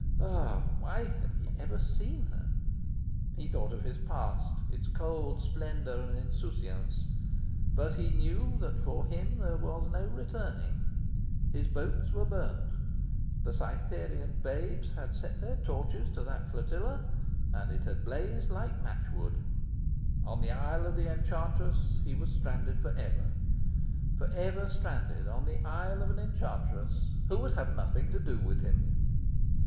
Ah, why had he ever seen her? He thought of his past, its cold splendour and insouciance. But he knew that for him there was no returning. His boats were burnt. The Cytherean babes had set their torches to that flotilla, and it had blazed like match wood. On the isle of the enchantress he was stranded for ever. For ever stranded on the isle of an enchantress who would have nothing to do with him!